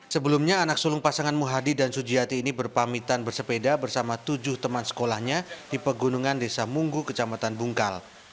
sebelumnya anak sulung pasangan muhadi dan sujiati ini berpamitan bersepeda bersama tujuh teman sekolahnya di pegunungan desa munggu kecamatan bungkal